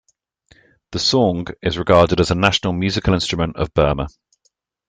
The saung is regarded as a national musical instrument of Burma.